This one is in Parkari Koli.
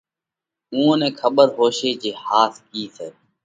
اُوئا نئہ کٻر هوشي جي ۿاس ڪِي سئہ؟